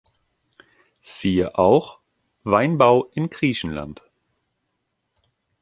Siehe auch: Weinbau in Griechenland